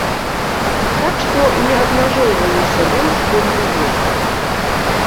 Так што не абмяжоўваю сябе ў шкоднай ежы.